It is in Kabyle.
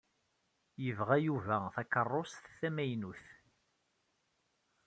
Yebɣa Yuba takeṛṛust tamaynut.